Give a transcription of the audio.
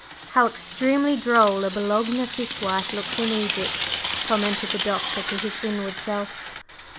"How extremely droll a 'Boulogne fish wife' looks in Egypt," commented the Doctor to his inward self.